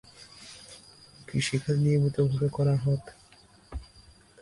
কৃষিকাজ নিয়মিতভাবে করা হত।